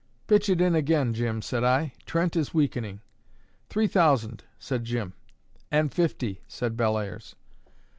"Pitch it in again, Jim," said I. "Trent is weakening." "Three thousand," said Jim. "And fifty," said Bellairs.